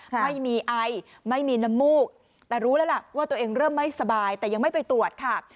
ไม่มีไอไม่มีน้ำมูกแต่รู้แล้วล่ะว่าตัวเองเริ่มไม่สบายแต่ยังไม่ไปตรวจค่ะ